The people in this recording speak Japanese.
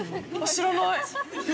知らない。